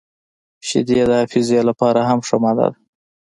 • شیدې د حافظې لپاره هم ښه ماده ده.